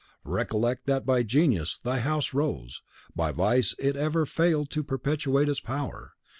Recollect that by genius thy house rose; by vice it ever failed to perpetuate its power.